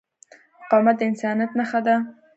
مقاومت د انسانیت نښه ده.